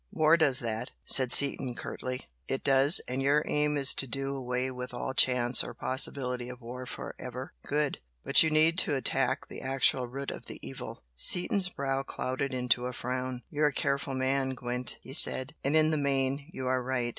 "War does that," said Seaton, curtly. "It does. And your aim is to do away with all chance or possibility of war for ever. Good! But you need to attack the actual root of the evil." Seaton's brow clouded into a frown. "You're a careful man, Gwent," he said "And, in the main, you are right.